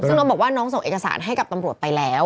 ซึ่งน้องบอกว่าน้องส่งเอกสารให้กับตำรวจไปแล้ว